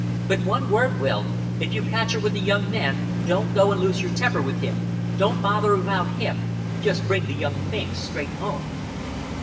But, one word, Will. If you catch her with a young man don't go and lose your temper with him. Don't bother about him. Just bring the young minx straight home."